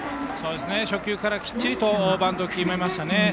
初球からきっちりバントを決めましたね。